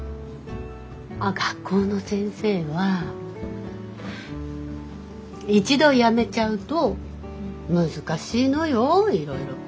あっ学校の先生は一度辞めちゃうと難しいのよいろいろと。